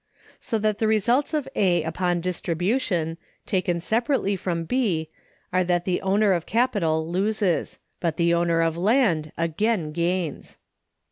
So that the results of A upon distribution, taken separately from B, are that the owner of capital loses; but the owner of land again gains.